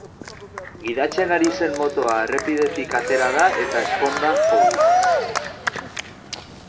Gidatzen ari zen motoa errepidetik atera da eta ezponda jo du.